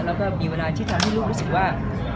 แล้วก็มีเวลาที่ทำให้ลูกรู้สึกว่า